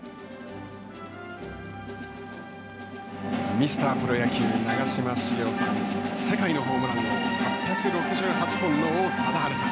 ミスタープロ野球、長嶋茂雄さん、世界のホームラン王、８６８本の王貞治さん。